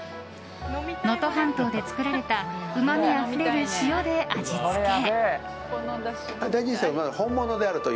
能登半島で作られたうまみあふれる塩で味付け。